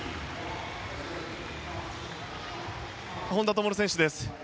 本多灯選手です。